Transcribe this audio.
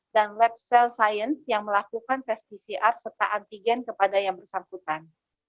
dan lab cell science yang melakukan tes pcr serta antigen kepada yang bersangkutan